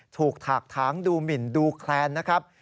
ถากถางดูหมินดูแคลนนะครับ